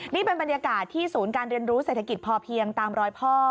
นี่เป็นบรรยากาศที่ศูนย์การเรียนรู้เศรษฐกิจพอเพียงตามรอยพ่อ